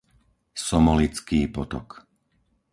Somolický potok